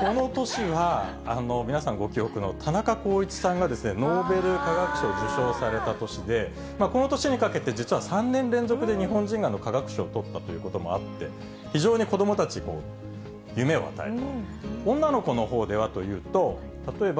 この年は、皆さんご記憶の田中耕一さんがノーベル化学賞を受賞された年で、この年にかけて、実は３年連続で日本人が化学賞取ったということもあって、非常に子どもたちに夢を与えるという。